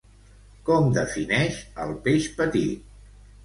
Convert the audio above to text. Com defineix al peix petit?